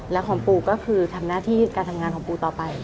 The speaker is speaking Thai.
และของปูก็คือทำหน้าที่การทำงานของปูต่อไป